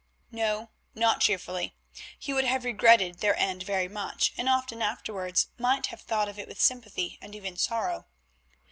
No, not cheerfully, he would have regretted their end very much, and often afterwards might have thought of it with sympathy and even sorrow.